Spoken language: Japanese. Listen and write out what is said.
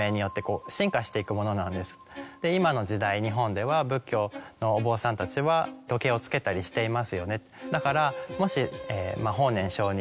今の時代日本では仏教のお坊さんたちは時計を着けたりしていますよね。